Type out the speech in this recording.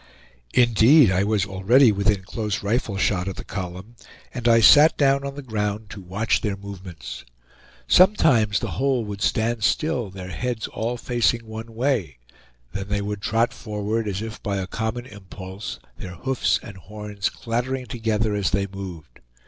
Indeed I was already within close rifle shot of the column, and I sat down on the ground to watch their movements. Sometimes the whole would stand still, their heads all facing one way; then they would trot forward, as if by a common impulse, their hoofs and horns clattering together as they moved.